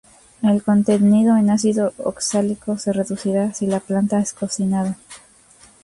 El contenido en ácido oxálico se reducirá si la planta es cocinada.